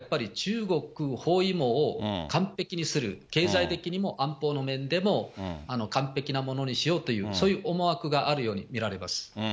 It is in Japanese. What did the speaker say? ですから、今回のアジア歴訪は、やっぱり中国包囲網を完璧にする、経済的にも安保の面でも完璧なものにしようという、そういう思惑があるように見られます。